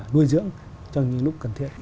nuôi dưỡng cho những lúc cần thiết